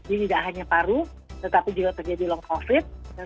jadi tidak hanya paru tetapi juga terjadi long covid